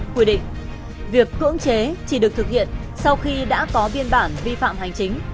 quy định việc cưỡng chế chỉ được thực hiện sau khi đã có biên bản vi phạm hành chính